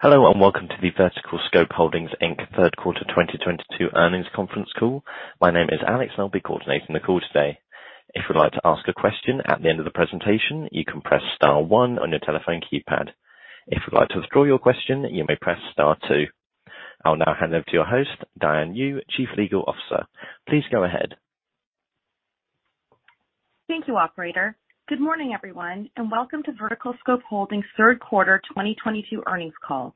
Hello, and welcome to the VerticalScope Holdings Inc. third quarter 2022 earnings conference call. My name is Alex, and I'll be coordinating the call today. If you'd like to ask a question at the end of the presentation, you can press star one on your telephone keypad. If you'd like to withdraw your question, you may press star two. I'll now hand over to your host, Diane Yu, Chief Legal Officer. Please go ahead. Thank you, operator. Good morning, everyone, and welcome to VerticalScope Holdings third quarter 2022 earnings call.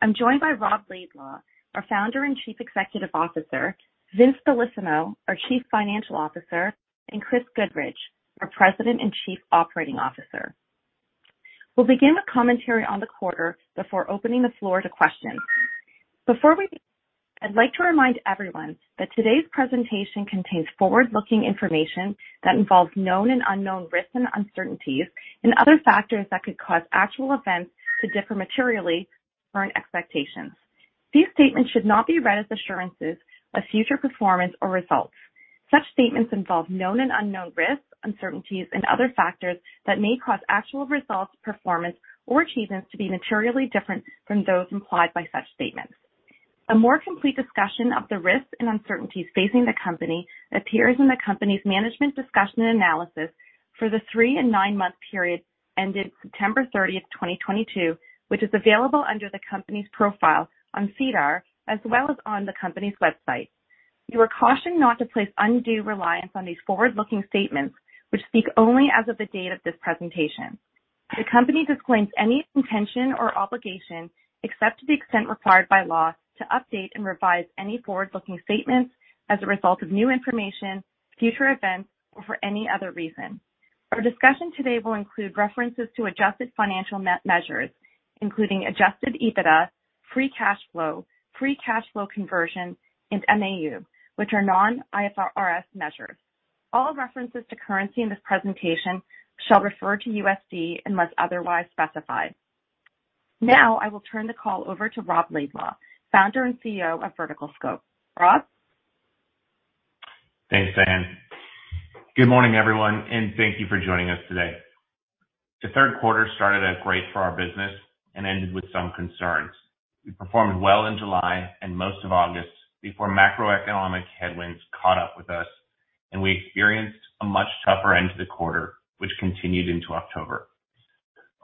I'm joined by Rob Laidlaw, our Founder and Chief Executive Officer, Vince Bellissimo, our Chief Financial Officer, and Chris Goodridge, our President and Chief Operating Officer. We'll begin the commentary on the quarter before opening the floor to questions. I'd like to remind everyone that today's presentation contains forward-looking information that involves known and unknown risks and uncertainties and other factors that could cause actual events to differ materially from expectations. These statements should not be read as assurances of future performance or results. Such statements involve known and unknown risks, uncertainties, and other factors that may cause actual results, performance, or achievements to be materially different from those implied by such statements. A more complete discussion of the risks and uncertainties facing the company appears in the company's management discussion and analysis for the three and nine-month period ended September 30, 2022, which is available under the company's profile on SEDAR, as well as on the company's website. You are cautioned not to place undue reliance on these forward-looking statements, which speak only as of the date of this presentation. The company disclaims any intention or obligation, except to the extent required by law, to update and revise any forward-looking statements as a result of new information, future events, or for any other reason. Our discussion today will include references to adjusted non-IFRS measures, including adjusted EBITDA, free cash flow, free cash flow conversion, and MAU, which are non-IFRS measures. All references to currency in this presentation shall refer to USD unless otherwise specified. Now I will turn the call over to Rob Laidlaw, Founder and CEO of VerticalScope. Rob. Thanks, Diane. Good morning, everyone, and thank you for joining us today. The third quarter started out great for our business and ended with some concerns. We performed well in July and most of August before macroeconomic headwinds caught up with us, and we experienced a much tougher end to the quarter, which continued into October.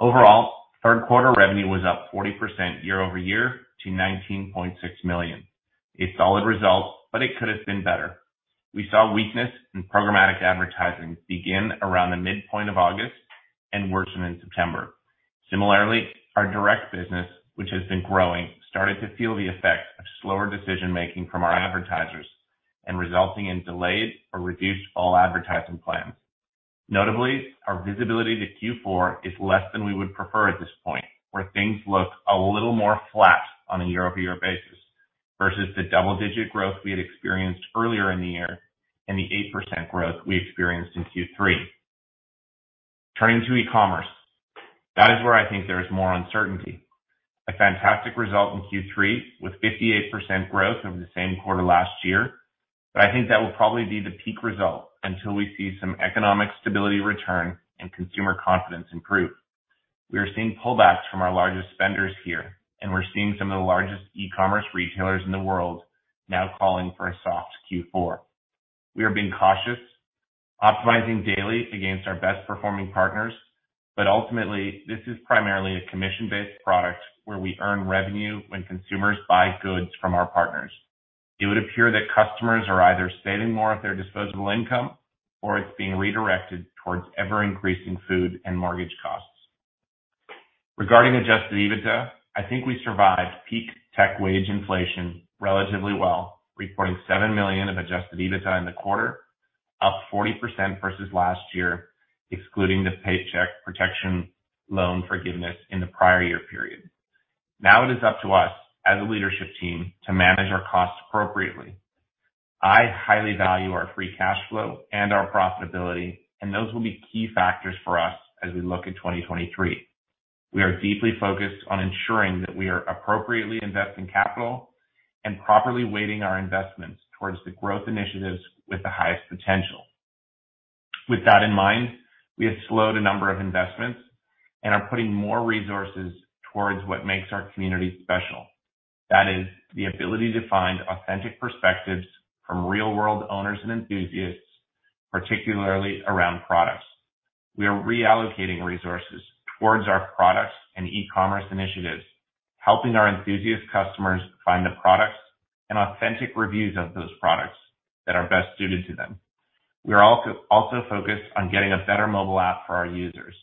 Overall, third quarter revenue was up 40% year-over-year to $19.6 million. A solid result, but it could have been better. We saw weakness in programmatic advertising begin around the midpoint of August and worsen in September. Similarly, our direct business, which has been growing, started to feel the effects of slower decision-making from our advertisers and resulting in delayed or reduced all advertising plans. Notably, our visibility to Q4 is less than we would prefer at this point, where things look a little more flat on a year-over-year basis versus the double-digit growth we had experienced earlier in the year and the 8% growth we experienced in Q3. Turning to e-commerce. That is where I think there is more uncertainty. A fantastic result in Q3 with 58% growth over the same quarter last year. I think that will probably be the peak result until we see some economic stability return and consumer confidence improve. We are seeing pullbacks from our largest spenders here, and we're seeing some of the largest e-commerce retailers in the world now calling for a soft Q4. We are being cautious, optimizing daily against our best-performing partners, but ultimately, this is primarily a commission-based product where we earn revenue when consumers buy goods from our partners. It would appear that customers are either saving more of their disposable income or it's being redirected towards ever-increasing food and mortgage costs. Regarding Adjusted EBITDA, I think we survived peak tech wage inflation relatively well, reporting $7 million of Adjusted EBITDA in the quarter, up 40% versus last year, excluding the Paycheck Protection loan forgiveness in the prior year period. Now it is up to us as a leadership team to manage our costs appropriately. I highly value our free cash flow and our profitability, and those will be key factors for us as we look at 2023. We are deeply focused on ensuring that we are appropriately investing capital and properly weighting our investments towards the growth initiatives with the highest potential. With that in mind, we have slowed a number of investments and are putting more resources towards what makes our community special. That is the ability to find authentic perspectives from real-world owners and enthusiasts, particularly around products. We are reallocating resources towards our products and e-commerce initiatives, helping our enthusiast customers find the products and authentic reviews of those products that are best suited to them. We are also focused on getting a better mobile app for our users.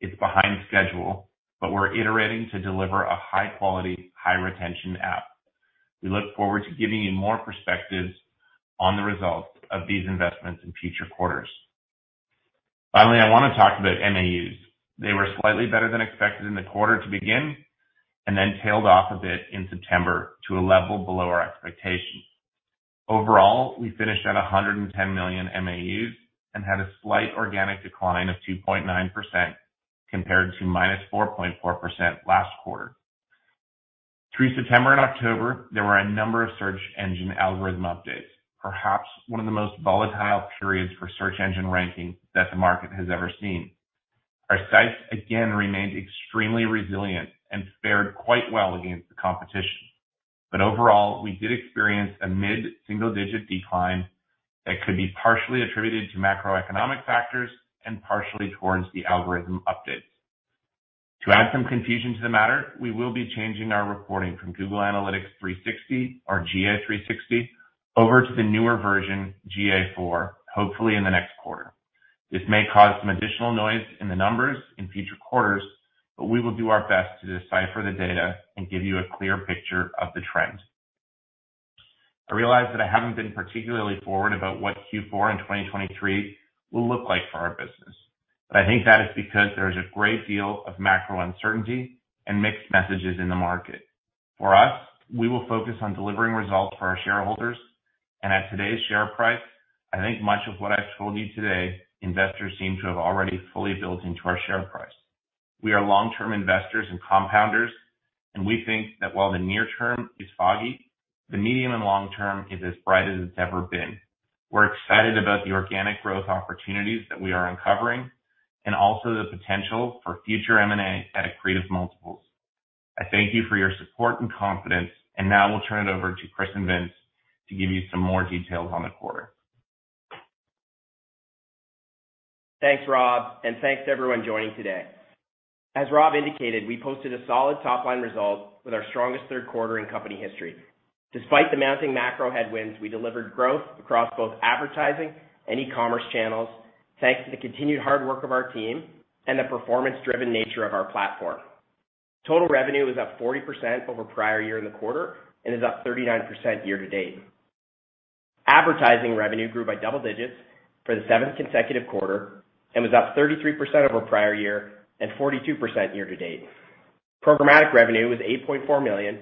It's behind schedule, but we're iterating to deliver a high-quality, high-retention app. We look forward to giving you more perspectives on the results of these investments in future quarters. Finally, I wanna talk about MAUs. They were slightly better than expected in the quarter to begin and then tailed off a bit in September to a level below our expectations. Overall, we finished at 110 million MAUs and had a slight organic decline of 2.9% compared to -4.4% last quarter. Through September and October, there were a number of search engine algorithm updates. Perhaps one of the most volatile periods for search engine ranking that the market has ever seen. Our sites again remained extremely resilient and fared quite well against the competition. Overall, we did experience a mid-single-digit decline that could be partially attributed to macroeconomic factors and partially towards the algorithm updates. To add some confusion to the matter, we will be changing our reporting from Google Analytics 360 or GA 360 over to the newer version, GA 4, hopefully in the next quarter. This may cause some additional noise in the numbers in future quarters, but we will do our best to decipher the data and give you a clear picture of the trend. I realize that I haven't been particularly forward about what Q4 in 2023 will look like for our business, but I think that is because there is a great deal of macro uncertainty and mixed messages in the market. For us, we will focus on delivering results for our shareholders, and at today's share price, I think much of what I've told you today, investors seem to have already fully built into our share price. We are long-term investors and compounders, and we think that while the near term is foggy, the medium and long term is as bright as it's ever been. We're excited about the organic growth opportunities that we are uncovering and also the potential for future M&A at accretive multiples. I thank you for your support and confidence, and now we'll turn it over to Chris and Vince to give you some more details on the quarter. Thanks, Rob, and thanks to everyone joining today. As Rob indicated, we posted a solid top-line result with our strongest third quarter in company history. Despite the mounting macro headwinds, we delivered growth across both advertising and e-commerce channels, thanks to the continued hard work of our team and the performance-driven nature of our platform. Total revenue was up 40% over prior year in the quarter and is up 39% year to date. Advertising revenue grew by double digits for the seventh consecutive quarter and was up 33% over prior year and 42% year to date. Programmatic revenue was $8.4 million,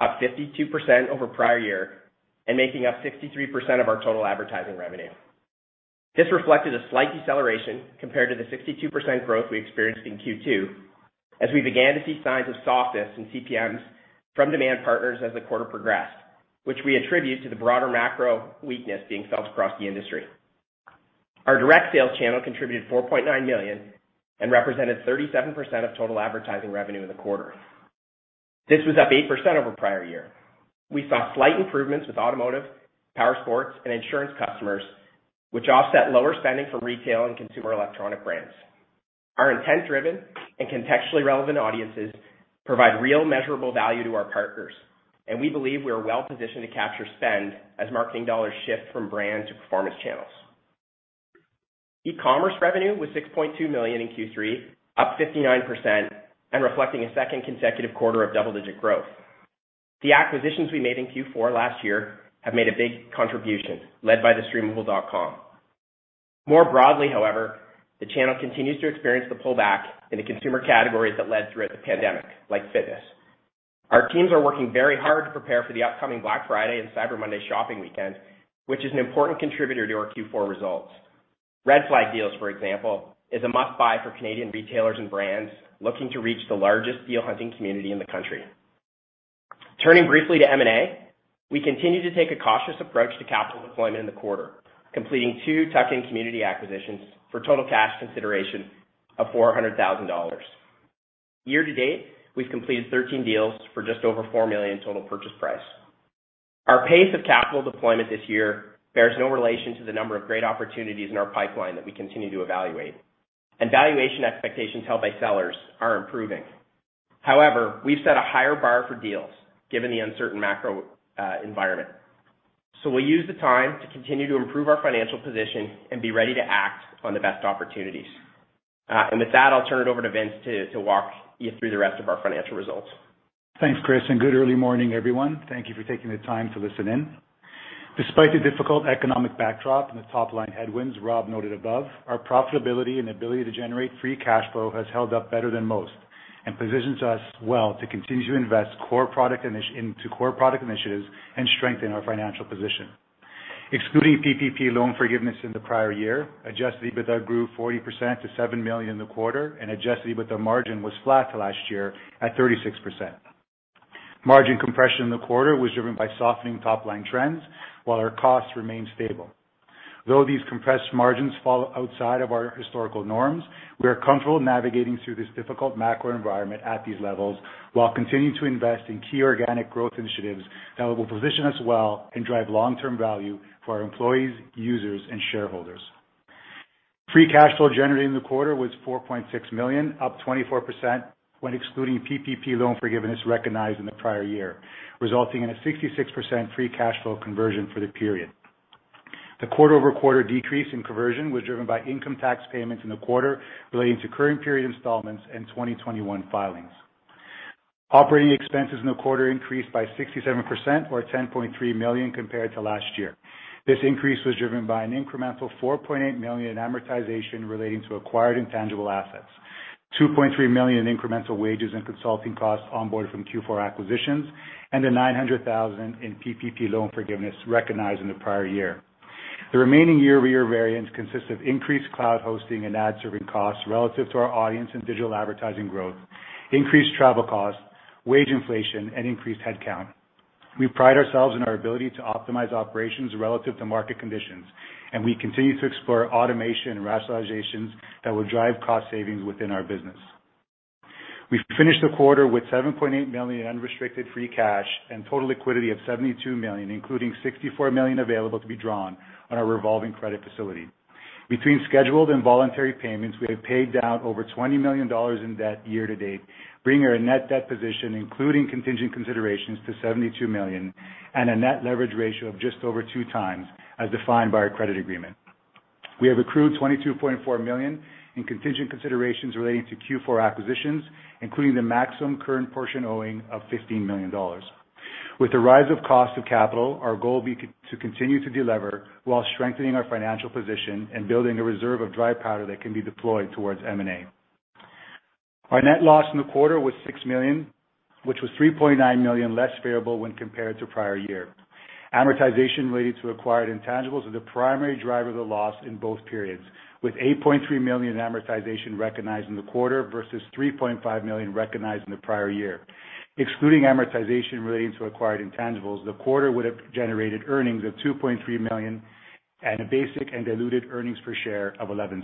up 52% over prior year and making up 63% of our total advertising revenue. This reflected a slight deceleration compared to the 62% growth we experienced in Q2 as we began to see signs of softness in CPMs from demand partners as the quarter progressed, which we attribute to the broader macro weakness being felt across the industry. Our direct sales channel contributed $4.9 million and represented 37% of total advertising revenue in the quarter. This was up 8% over prior year. We saw slight improvements with automotive, power sports, and insurance customers, which offset lower spending for retail and consumer electronic brands. Our intent-driven and contextually relevant audiences provide real measurable value to our partners, and we believe we are well positioned to capture spend as marketing dollars shift from brand to performance channels. E-commerce revenue was $6.2 million in Q3, up 59%, and reflecting a second consecutive quarter of double-digit growth. The acquisitions we made in Q4 last year have made a big contribution led by The Streamable. More broadly, however, the channel continues to experience the pullback in the consumer categories that led throughout the pandemic, like fitness. Our teams are working very hard to prepare for the upcoming Black Friday and Cyber Monday shopping weekend, which is an important contributor to our Q4 results. RedFlagDeals, for example, is a must-buy for Canadian retailers and brands looking to reach the largest deal-hunting community in the country. Turning briefly to M&A, we continue to take a cautious approach to capital deployment in the quarter, completing two tuck-in community acquisitions for total cash consideration of $400,000. Year to date, we've completed 13 deals for just over $4 million total purchase price. Our pace of capital deployment this year bears no relation to the number of great opportunities in our pipeline that we continue to evaluate, and valuation expectations held by sellers are improving. However, we've set a higher bar for deals given the uncertain macro environment. We'll use the time to continue to improve our financial position and be ready to act on the best opportunities. With that, I'll turn it over to Vince to walk you through the rest of our financial results. Thanks, Chris, and good early morning, everyone. Thank you for taking the time to listen in. Despite the difficult economic backdrop and the top-line headwinds Rob noted above, our profitability and ability to generate Free Cash Flow has held up better than most and positions us well to continue to invest in core product initiatives and strengthen our financial position. Excluding PPP loan forgiveness in the prior year, Adjusted EBITDA grew 40% to $7 million in the quarter and Adjusted EBITDA margin was flat to last year at 36%. Margin compression in the quarter was driven by softening top-line trends while our costs remained stable. Though these compressed margins fall outside of our historical norms, we are comfortable navigating through this difficult macro environment at these levels while continuing to invest in key organic growth initiatives that will position us well and drive long-term value for our employees, users, and shareholders. Free Cash Flow generated in the quarter was $4.6 million, up 24% when excluding PPP loan forgiveness recognized in the prior year, resulting in a 66% Free Cash Flow Conversion for the period. The quarter-over-quarter decrease in conversion was driven by income tax payments in the quarter relating to current period installments and 2021 filings. Operating expenses in the quarter increased by 67% or $10.3 million compared to last year. This increase was driven by an incremental $4.8 million amortization relating to acquired intangible assets, $2.3 million in incremental wages and consulting costs onboard from Q4 acquisitions, and $900,000 in PPP loan forgiveness recognized in the prior year. The remaining year-over-year variance consists of increased cloud hosting and ad serving costs relative to our audience and digital advertising growth, increased travel costs, wage inflation, and increased headcount. We pride ourselves in our ability to optimize operations relative to market conditions, and we continue to explore automation and rationalizations that will drive cost savings within our business. We finished the quarter with $7.8 million unrestricted free cash and total liquidity of $72 million, including $64 million available to be drawn on our revolving credit facility. Between scheduled and voluntary payments, we have paid down over $20 million in debt year to date, bringing our net debt position, including contingent considerations, to $72 million and a net leverage ratio of just over two times as defined by our credit agreement. We have accrued $22.4 million in contingent considerations relating to Q4 acquisitions, including the maximum current portion owing of $15 million. With the rise of cost of capital, our goal will be to continue to delever while strengthening our financial position and building a reserve of dry powder that can be deployed towards M&A. Our net loss in the quarter was $6 million, which was $3.9 million less favorable when compared to prior year. Amortization related to acquired intangibles are the primary driver of the loss in both periods, with $8.3 million amortization recognized in the quarter versus $3.5 million recognized in the prior year. Excluding amortization relating to acquired intangibles, the quarter would have generated earnings of $2.3 million and a basic and diluted earnings per share of $0.11.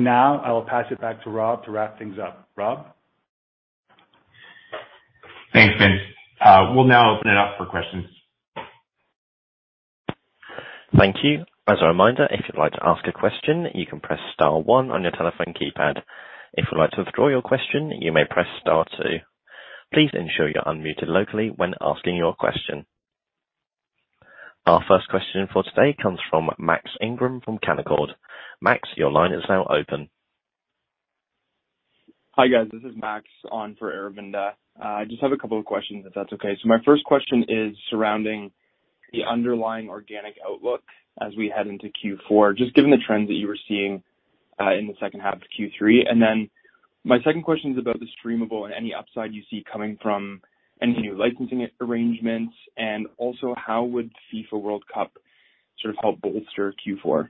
Now I will pass it back to Rob to wrap things up. Rob? Thanks, Vince. We'll now open it up for questions. Thank you. As a reminder, if you'd like to ask a question, you can press star one on your telephone keypad. If you'd like to withdraw your question, you may press star two. Please ensure you're unmuted locally when asking your question. Our first question for today comes from Max Ingram from Canaccord. Max, your line is now open. Hi, guys. This is Max on for Aravinda. I just have a couple of questions, if that's okay. My first question is surrounding the underlying organic outlook as we head into Q4, just given the trends that you were seeing in the second half of Q3. My second question is about The Streamable and any upside you see coming from any new licensing arrangements. Also, how would FIFA World Cup sort of help bolster Q4?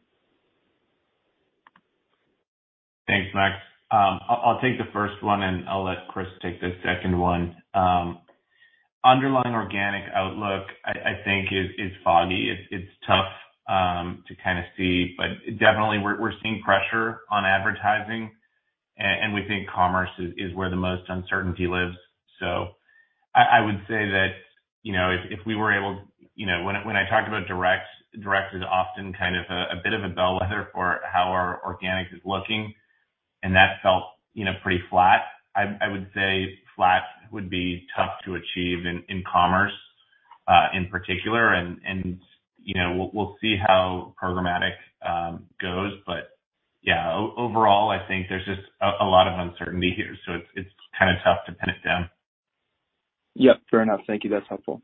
Thanks, Max. I'll take the first one, and I'll let Chris take the second one. Underlying organic outlook, I think is foggy. It's tough to kind of see, but definitely we're seeing pressure on advertising and we think commerce is where the most uncertainty lives. I would say that, you know, if we were able. You know, when I talked about direct is often kind of a bit of a bellwether for how our organic is looking, and that felt, you know, pretty flat. I would say flat would be tough to achieve in commerce, in particular. You know, we'll see how programmatic goes. Yeah, overall I think there's just a lot of uncertainty here, so it's kind of tough to pin it down. Yeah, fair enough. Thank you. That's helpful.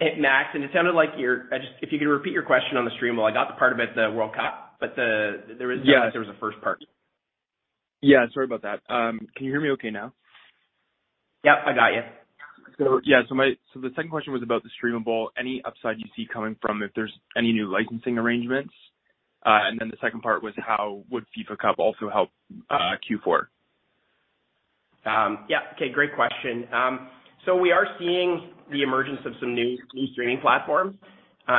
Hey, Max. If you could repeat your question on The Streamable. I got the part about the World Cup, but there is- Yeah. There was a first part. Yeah, sorry about that. Can you hear me okay now? Yep, I got you. Yeah. The second question was about The Streamable, any upside you see coming from if there's any new licensing arrangements. The second part was how would FIFA World Cup also help Q4? Yeah. Okay, great question. So we are seeing the emergence of some new key streaming platforms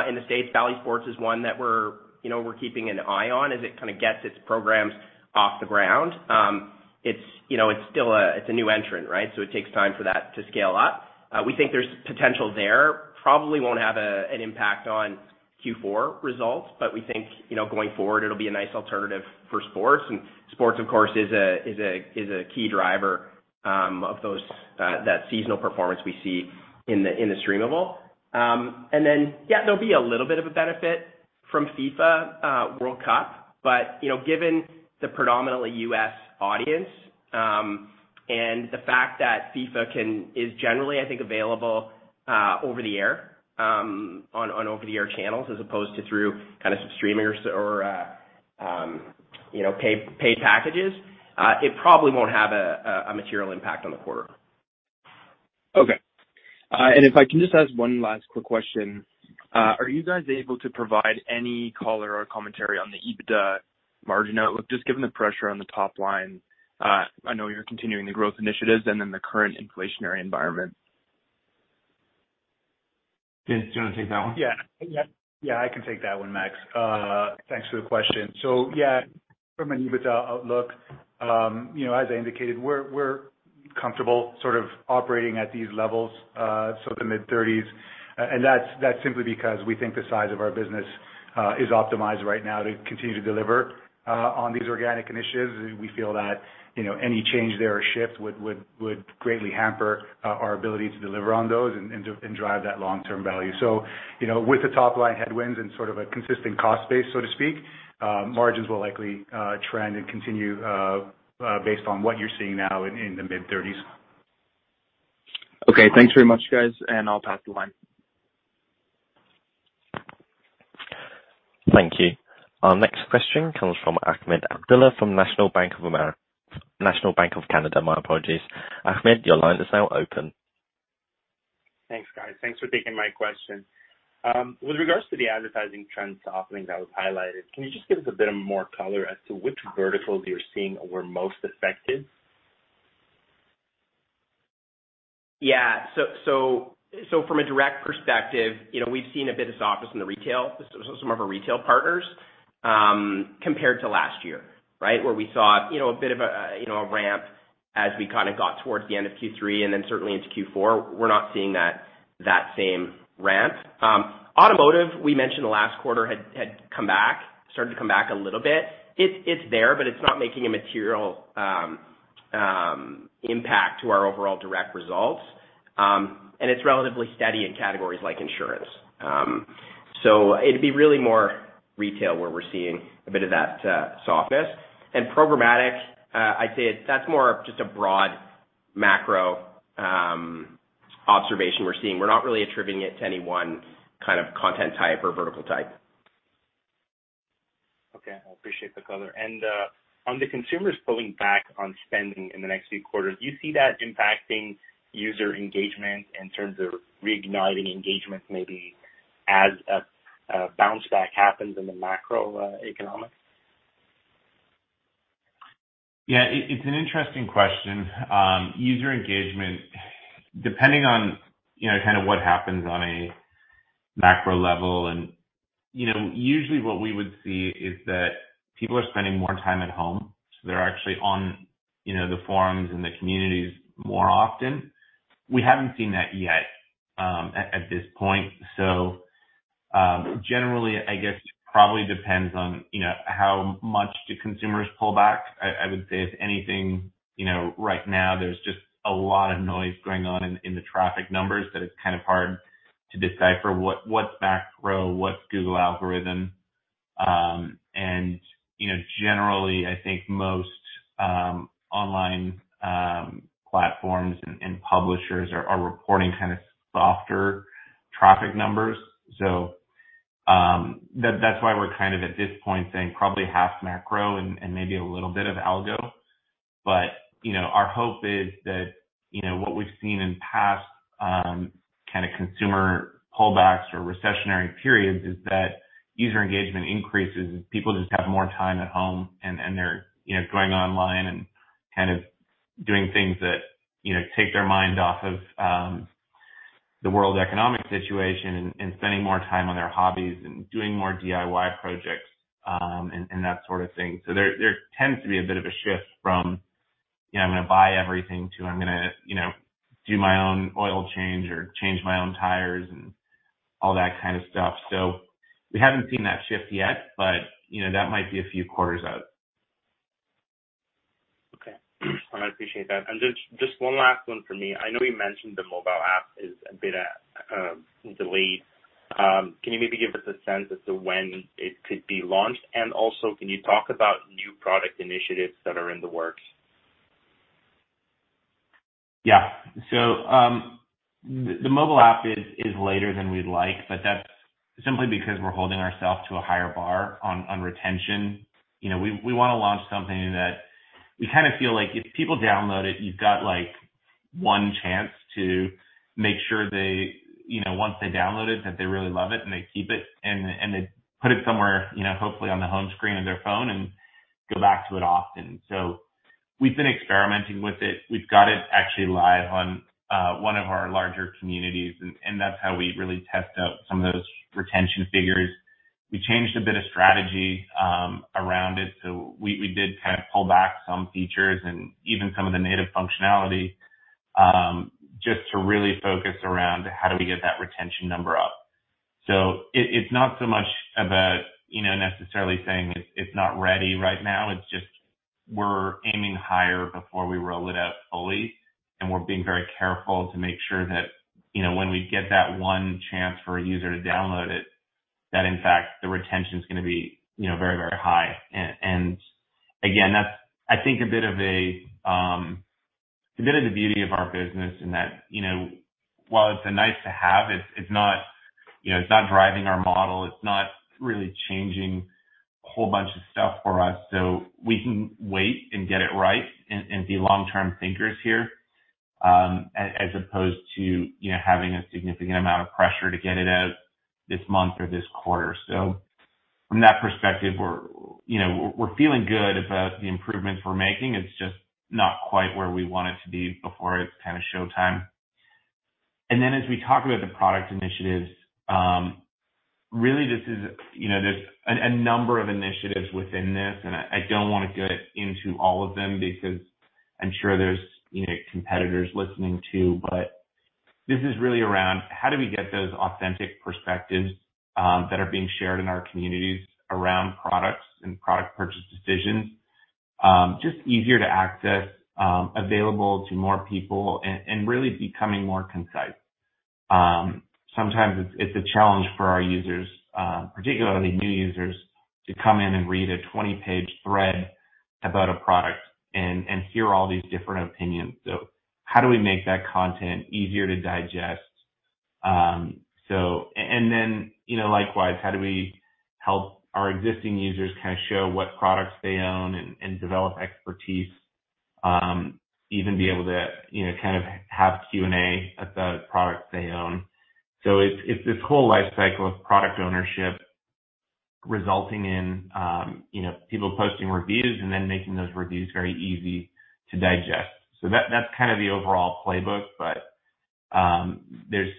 in the States. Bally Sports is one that we're, you know, we're keeping an eye on as it kind of gets its programs off the ground. It's, you know, it's still a new entrant, right? So it takes time for that to scale up. We think there's potential there. Probably won't have an impact on Q4 results, but we think, you know, going forward, it'll be a nice alternative for sports. Sports of course is a key driver of that seasonal performance we see in The Streamable. Yeah, there'll be a little bit of a benefit from FIFA World Cup, but you know, given the predominantly U.S. audience, and the fact that FIFA is generally, I think, available over the air on over the air channels as opposed to through kind of some streaming or, you know, pay packages, it probably won't have a material impact on the quarter. Okay. If I can just ask one last quick question. Are you guys able to provide any color or commentary on the EBITDA margin outlook, just given the pressure on the top line, I know you're continuing the growth initiatives and then the current inflationary environment? Vince, do you wanna take that one? Yeah, I can take that one, Max. Thanks for the question. Yeah, from an EBITDA outlook, you know, as I indicated, we're comfortable sort of operating at these levels, so the mid-30s%. That's simply because we think the size of our business is optimized right now to continue to deliver on these organic initiatives. We feel that, you know, any change there or shift would greatly hamper our ability to deliver on those and drive that long-term value. You know, with the top-line headwinds and sort of a consistent cost base, so to speak, margins will likely trend and continue based on what you're seeing now in the mid-30s%. Okay. Thanks very much, guys, and I'll pass the line. Thank you. Our next question comes from Ahmed Abdullah from National Bank of Canada, my apologies. Ahmed, your line is now open. Thanks, guys. Thanks for taking my question. With regards to the advertising trends softening that was highlighted, can you just give us a bit of more color as to which verticals you're seeing were most affected? Yeah. From a direct perspective, you know, we've seen a bit of softness in the retail, some of our retail partners, compared to last year, right? Where we saw, you know, a bit of a ramp as we kinda got towards the end of Q3, and then certainly into Q4. We're not seeing that same ramp. Automotive, we mentioned last quarter had come back, started to come back a little bit. It's there, but it's not making a material impact to our overall direct results. It's relatively steady in categories like insurance. It'd be really more retail where we're seeing a bit of that softness. Programmatic, I'd say that's more just a broad macro observation we're seeing. We're not really attributing it to any one kind of content type or vertical type. Okay. I appreciate the color. On the consumers pulling back on spending in the next few quarters, do you see that impacting user engagement in terms of reigniting engagement, maybe as a bounce back happens in the macroeconomics? Yeah, it's an interesting question. User engagement, depending on, you know, kind of what happens on a macro level. You know, usually what we would see is that people are spending more time at home, so they're actually on, you know, the forums and the communities more often. We haven't seen that yet, at this point. Generally, I guess it probably depends on, you know, how much do consumers pull back. I would say if anything, you know, right now there's just a lot of noise going on in the traffic numbers that it's kind of hard to decipher what's macro, what's Google algorithm. You know, generally I think most online platforms and publishers are reporting kind of softer traffic numbers. That's why we're kind of at this point saying probably half macro and maybe a little bit of algo. But you know, our hope is that what we've seen in past kind of consumer pullbacks or recessionary periods is that user engagement increases and people just have more time at home and they're you know, going online and kind of doing things that you know, take their mind off of the world economic situation and spending more time on their hobbies and doing more DIY projects and that sort of thing. There tends to be a bit of a shift from you know, I'm gonna buy everything to I'm gonna you know, do my own oil change or change my own tires and all that kind of stuff. We haven't seen that shift yet, but, you know, that might be a few quarters out. Okay. I appreciate that. Just one last one for me. I know you mentioned the mobile app is a bit delayed. Can you maybe give us a sense as to when it could be launched? And also, can you talk about new product initiatives that are in the works? Yeah. The mobile app is later than we'd like, but that's simply because we're holding ourselves to a higher bar on retention. You know, we wanna launch something that we kinda feel like if people download it, you've got like one chance to make sure they, you know, once they download it, that they really love it and they keep it and they put it somewhere, you know, hopefully on the home screen of their phone and go back to it often. We've been experimenting with it. We've got it actually live on one of our larger communities, and that's how we really test out some of those retention figures. We changed a bit of strategy around it, so we did kind of pull back some features and even some of the native functionality, just to really focus around how do we get that retention number up. It's not so much about, you know, necessarily saying it's not ready right now, it's just we're aiming higher before we roll it out fully. We're being very careful to make sure that, you know, when we get that one chance for a user to download it, that in fact the retention's gonna be, you know, very, very high. That's, I think, a bit of a bit of the beauty of our business in that, you know, while it's nice to have, it's not, you know, it's not driving our model, it's not really changing a whole bunch of stuff for us, so we can wait and get it right and be long-term thinkers here. As opposed to, you know, having a significant amount of pressure to get it out this month or this quarter. From that perspective, you know, we're feeling good about the improvements we're making. It's just not quite where we want it to be before it's kinda showtime. As we talk about the product initiatives, really this is, you know. There's a number of initiatives within this and I don't wanna get into all of them because I'm sure there's, you know, competitors listening too. This is really around how do we get those authentic perspectives that are being shared in our communities around products and product purchase decisions just easier to access, available to more people, and really becoming more concise. Sometimes it's a challenge for our users, particularly new users to come in and read a 20-page thread about a product and hear all these different opinions. How do we make that content easier to digest? You know, likewise, how do we help our existing users kind of show what products they own and develop expertise even be able to, you know, kind of have Q&A about products they own. It's this whole life cycle of product ownership resulting in, you know, people posting reviews and then making those reviews very easy to digest. That's kind of the overall playbook. There's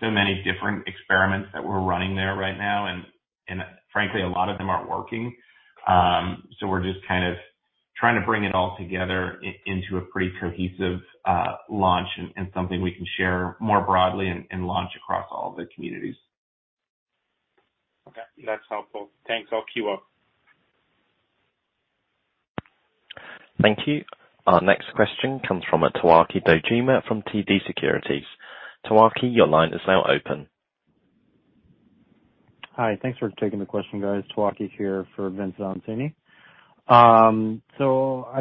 so many different experiments that we're running there right now, and frankly, a lot of them aren't working. We're just kind of trying to bring it all together into a pretty cohesive launch and something we can share more broadly and launch across all the communities. Okay. That's helpful. Thanks. I'll queue up. Thank you. Our next question comes from Towaki Dojima from TD Securities. Towaki, your line is now open. Hi. Thanks for taking the question, guys. Towaki here for Vince Valentini. I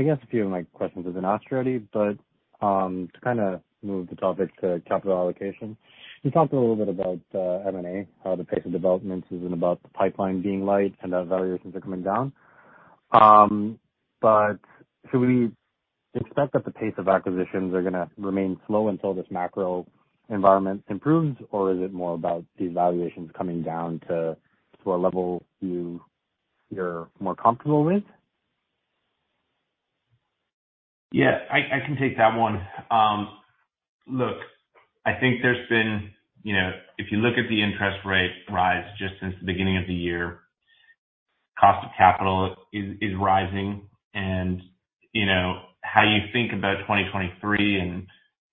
guess a few of my questions have been asked already, but to kinda move the topic to capital allocation, you talked a little bit about M&A, how the pace of developments has been about the pipeline being light and the valuations are coming down. Should we expect that the pace of acquisitions are gonna remain slow until this macro environment improves, or is it more about the valuations coming down to a level you're more comfortable with? Yeah, I can take that one. Look, I think there's been. You know, if you look at the interest rate rise just since the beginning of the year, cost of capital is rising. You know, how you think about 2023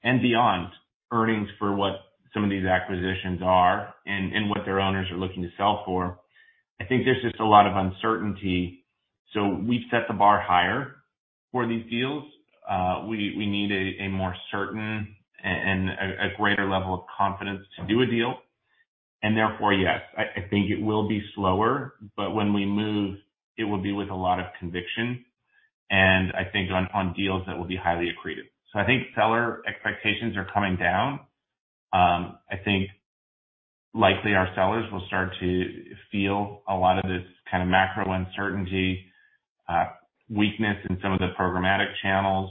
and beyond earnings for what some of these acquisitions are and what their owners are looking to sell for, I think there's just a lot of uncertainty. We've set the bar higher for these deals. We need a more certain and a greater level of confidence to do a deal. Therefore, yes, I think it will be slower, but when we move, it will be with a lot of conviction, and I think on deals that will be highly accretive. I think seller expectations are coming down. I think likely our sellers will start to feel a lot of this kind of macro uncertainty, weakness in some of the programmatic channels,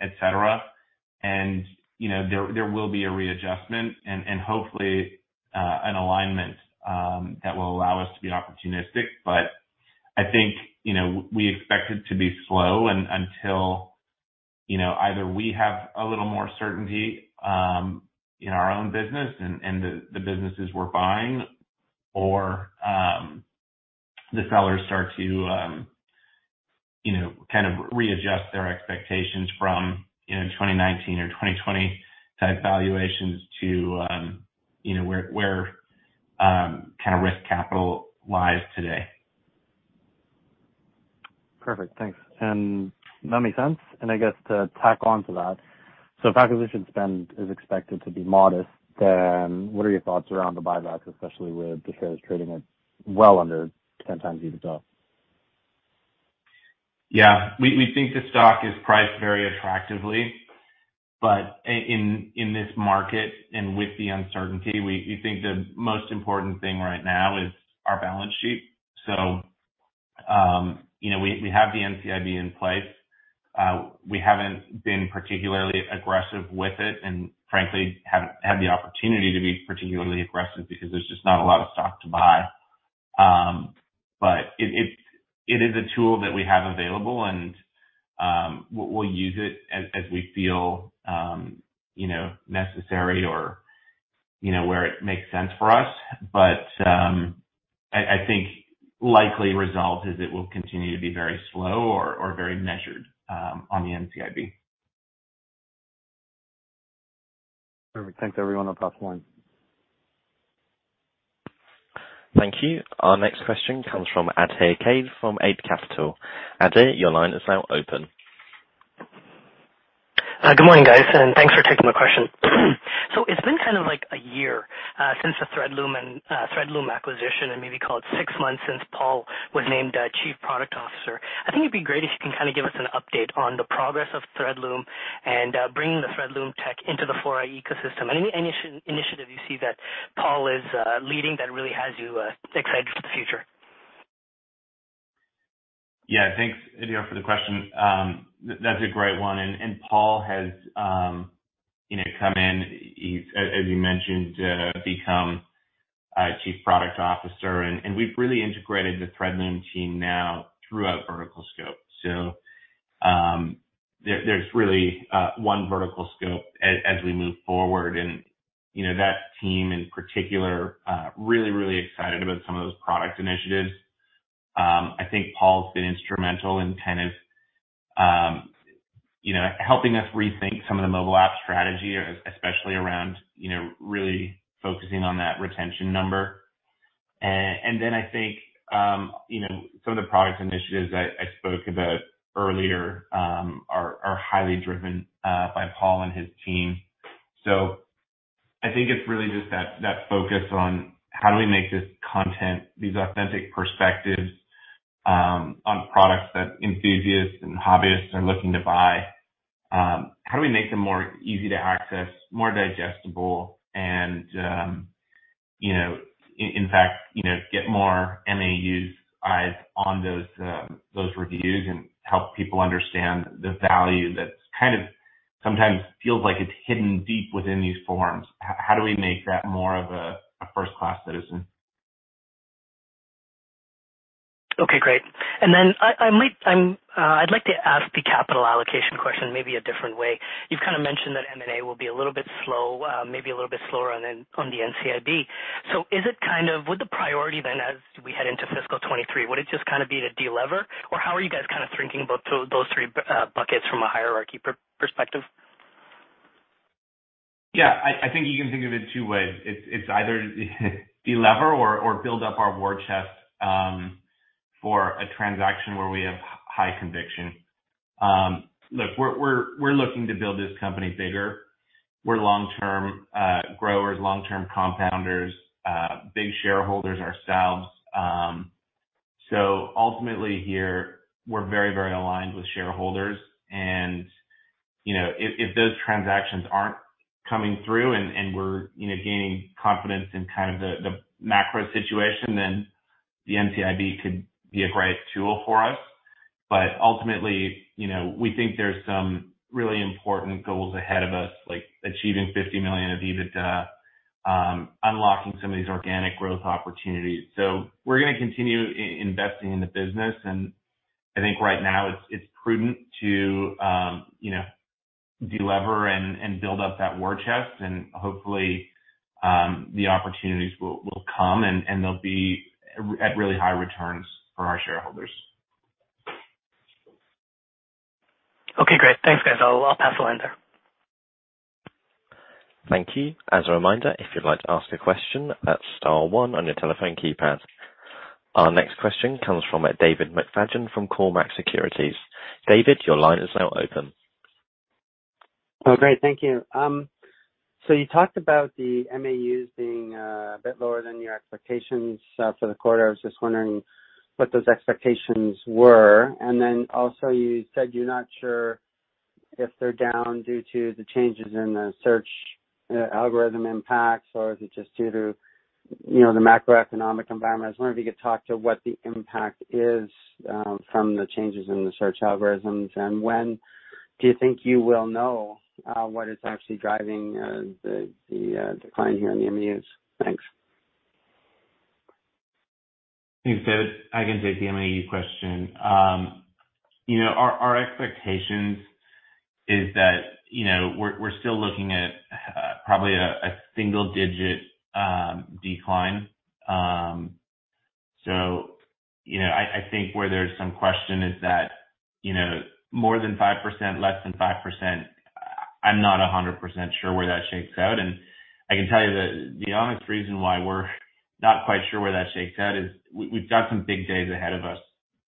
et cetera. You know, there will be a readjustment and hopefully an alignment that will allow us to be opportunistic. I think, you know, we expect it to be slow until, you know, either we have a little more certainty in our own business and the businesses we're buying or the sellers start to, you know, kind of readjust their expectations from, you know, 2019 or 2020 type valuations to, you know, where kind of risk capital lies today. Perfect. Thanks. That makes sense. I guess to tack on to that, so if acquisition spend is expected to be modest, then what are your thoughts around the buybacks, especially with the shares trading at well under 1x EBITDA? Yeah. We think the stock is priced very attractively, but in this market and with the uncertainty, we think the most important thing right now is our balance sheet. You know, we have the NCIB in place. We haven't been particularly aggressive with it and frankly haven't had the opportunity to be particularly aggressive because there's just not a lot of stock to buy. It is a tool that we have available, and we'll use it as we feel you know necessary or you know where it makes sense for us. I think likely result is it will continue to be very slow or very measured on the NCIB. Perfect. Thanks everyone on the call line. Thank you. Our next question comes from Adhir Kadve from Eight Capital. Adhir, your line is now open. Good morning, guys, and thanks for taking the question. It's been kind of like a year since the Threadloom acquisition and maybe call it six months since Paul was named Chief Product Officer. I think it'd be great if you can kinda give us an update on the progress of Threadloom and bringing the Threadloom tech into the Fora ecosystem. Any initiative you see that Paul is leading that really has you excited for the future? Yeah. Thanks, Adhir, for the question. That's a great one. Paul has you know, come in. He's, as you mentioned, become Chief Product Officer. We've really integrated the Threadloom team now throughout VerticalScope. There's really one VerticalScope as we move forward. You know, that team in particular really excited about some of those product initiatives. I think Paul's been instrumental in kind of you know, helping us rethink some of the mobile app strategy, especially around, you know, really focusing on that retention number. Then I think you know, some of the product initiatives I spoke about earlier are highly driven by Paul and his team. I think it's really just that focus on how do we make this content, these authentic perspectives on products that enthusiasts and hobbyists are looking to buy, how do we make them more easy to access, more digestible and, you know, in fact, you know, get more MAUs eyes on those reviews and help people understand the value that kind of sometimes feels like it's hidden deep within these forums. How do we make that more of a first class citizen? Okay, great. Then I'd like to ask the capital allocation question maybe a different way. You've kind of mentioned that M&A will be a little bit slow, maybe a little bit slower on the NCIB. Would the priority then as we head into fiscal 2023, would it just kind of be to de-lever or how are you guys kind of thinking about those three buckets from a hierarchy perspective? Yeah. I think you can think of it two ways. It's either de-lever or build up our war chest for a transaction where we have high conviction. Look, we're looking to build this company bigger. We're long-term growers, long-term compounders, big shareholders ourselves. Ultimately here we're very aligned with shareholders. You know, if those transactions aren't coming through and we're gaining confidence in kind of the macro situation, then the NCIB could be a great tool for us. Ultimately, you know, we think there's some really important goals ahead of us, like achieving $50 million of EBITDA, unlocking some of these organic growth opportunities. We're gonna continue investing in the business. I think right now it's prudent to, you know, de-lever and build up that war chest and hopefully the opportunities will come and they'll be at really high returns for our shareholders. Okay, great. Thanks, guys. I'll pass the line there. Thank you. As a reminder, if you'd like to ask a question, that's star one on your telephone keypad. Our next question comes from David McFadgen from Cormark Securities. David, your line is now open. Oh, great. Thank you. You talked about the MAUs being a bit lower than your expectations for the quarter. I was just wondering what those expectations were. Also you said you're not sure if they're down due to the changes in the search algorithm impacts or is it just due to, you know, the macroeconomic environment. I was wondering if you could talk to what the impact is from the changes in the search algorithms, and when do you think you will know what is actually driving the decline here in the MAUs? Thanks. Thanks, David. I can take the MAU question. You know, our expectations is that, you know, we're still looking at probably a single digit decline. You know, I think where there's some question is that, you know, more than 5%, less than 5%, I'm not 100% sure where that shakes out. I can tell you that the honest reason why we're not quite sure where that shakes out is we've got some big days ahead of us.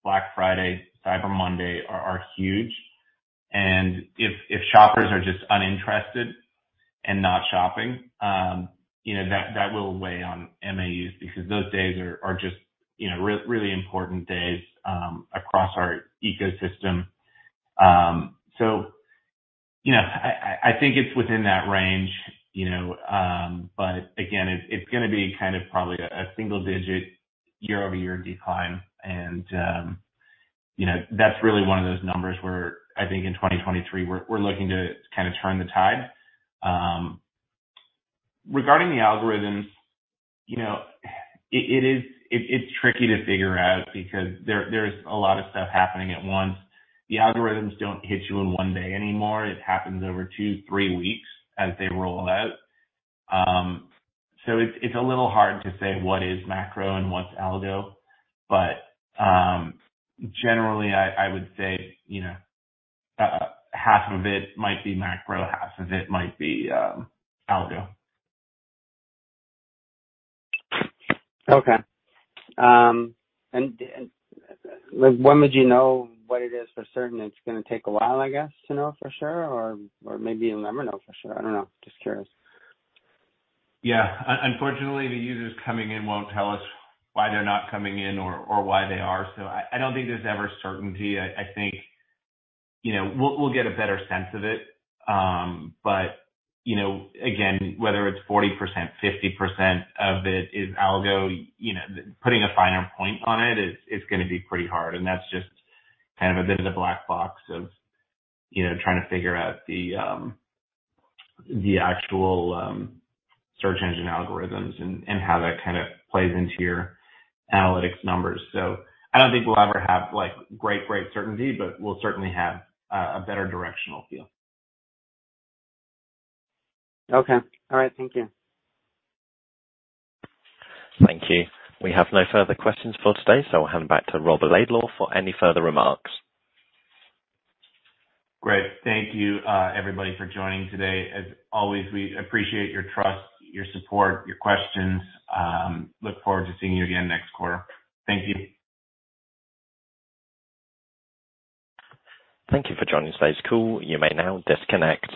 Black Friday, Cyber Monday are huge. If shoppers are just uninterested and not shopping, you know, that will weigh on MAUs because those days are just, you know, really important days across our ecosystem. You know, I think it's within that range, you know. Again, it's gonna be kind of probably a single digit year-over-year decline. You know, that's really one of those numbers where I think in 2023, we're looking to kind of turn the tide. Regarding the algorithms, you know, it's tricky to figure out because there's a lot of stuff happening at once. The algorithms don't hit you in one day anymore. It happens over two, three weeks as they roll out. It's a little hard to say what is macro and what's algo. Generally, I would say, you know, half of it might be macro, half of it might be algo. Like, when would you know what it is for certain? It's gonna take a while, I guess, to know for sure, or maybe you'll never know for sure. I don't know. Just curious. Yeah. Unfortunately, the users coming in won't tell us why they're not coming in or why they are. I don't think there's ever certainty. I think, you know, we'll get a better sense of it. But, you know, again, whether it's 40%, 50% of it is algo, you know, putting a finer point on it is gonna be pretty hard, and that's just kind of a bit of a black box of, you know, trying to figure out the actual search engine algorithms and how that kind of plays into your analytics numbers. I don't think we'll ever have like great certainty, but we'll certainly have a better directional feel. Okay. All right. Thank you. Thank you. We have no further questions for today, so I'll hand it back to Rob Laidlaw for any further remarks. Great. Thank you, everybody for joining today. As always, we appreciate your trust, your support, your questions. Look forward to seeing you again next quarter. Thank you. Thank you for joining today's call. You may now disconnect.